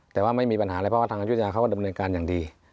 แต่ว่าไม่มีปัญหาอะไรเพราะว่าทางอายุทยาเขาก็ดำเนินการอย่างดี